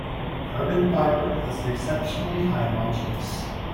Carbon fiber has an exceptionally high modulus.